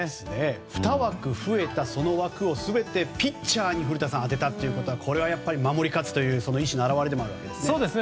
２枠増えたその枠を全てピッチャーに充てたということは守り勝つという意思の表れでもあるんですね。